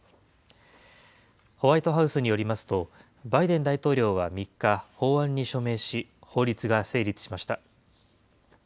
ホワイトハウスによりますと、バイデン大統領は３日、法案に署名し、法律が成立しました。